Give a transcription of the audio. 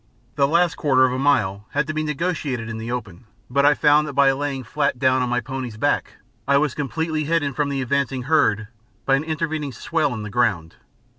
The last quarter of a mile had to be negotiated in the open, but I found that by lying flat down on my pony's back I was completely hidden from the advancing herd by an intervening swell in the ground.